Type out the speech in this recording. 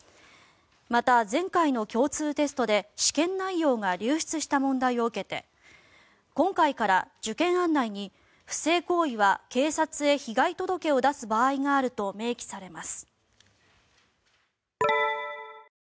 また、前回の共通テストで試験内容が流出した問題を受けて今回から受験案内に不正行為は警察へ被害届を出す場合があると明記されます。